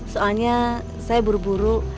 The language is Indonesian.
soalnya saya buru buru